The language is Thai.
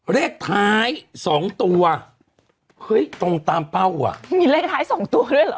เลขท้ายสองตัวเฮ้ยตรงตามเป้าอ่ะมีเลขท้ายสองตัวด้วยเหรอ